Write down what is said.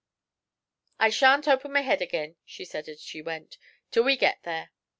'I shan't open my head ag'in,' she said as we went, 'till we git there.'